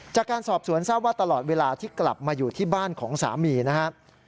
จากการสอบสวนทราบว่าตลอดเวลาที่กลับมาอยู่ที่บ้านของสามีนะครับ